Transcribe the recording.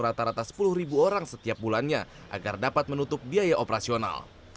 rata rata sepuluh ribu orang setiap bulannya agar dapat menutup biaya operasional